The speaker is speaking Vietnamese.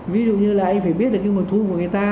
ví dụ như là ai phải biết là cái mật thu của người ta